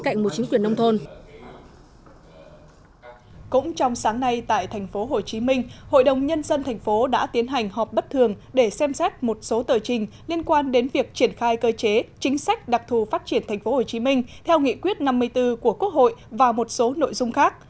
cũng trong sáng nay tại tp hcm hội đồng nhân dân thành phố đã tiến hành họp bất thường để xem xét một số tờ trình liên quan đến việc triển khai cơ chế chính sách đặc thù phát triển tp hcm theo nghị quyết năm mươi bốn của quốc hội và một số nội dung khác